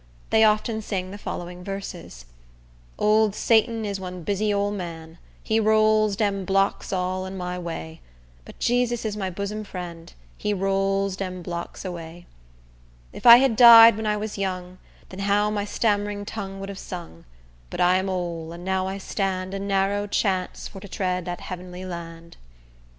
They often sing the following verses: Old Satan is one busy ole man; He rolls dem blocks all in my way; But Jesus is my bosom friend; He rolls dem blocks away. If I had died when I was young, Den how my stam'ring tongue would have sung; But I am ole, and now I stand A narrow chance for to tread dat heavenly land.